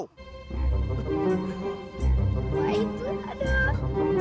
wah itu ada